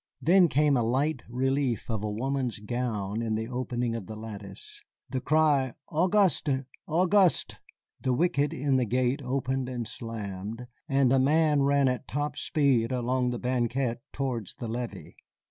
Then came the light relief of a woman's gown in the opening of the lattice, the cry "Auguste, Auguste!" the wicket in the gate opened and slammed, and a man ran at top speed along the banquette towards the levee.